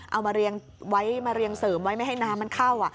เอามาเรียงไว้มาเรียงเสริมไว้ไม่ให้น้ำมันเข้า